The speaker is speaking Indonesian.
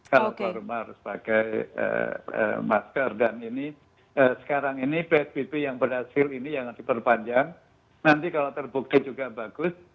kalau keluar rumah harus pakai masker dan ini sekarang ini psbb yang berhasil ini yang diperpanjang nanti kalau terbukti juga bagus